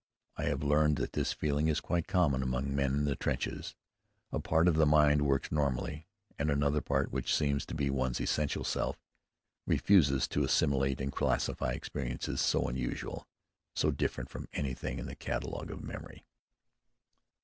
I have learned that this feeling is quite common among men in the trenches. A part of the mind works normally, and another part, which seems to be one's essential self, refuses to assimilate and classify experiences so unusual, so different from anything in the catalogue of memory.